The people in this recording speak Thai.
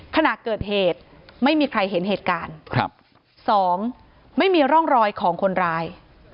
ขณะเกิดเหตุไม่มีใครเห็นเหตุการณ์ครับสองไม่มีร่องรอยของคนร้าย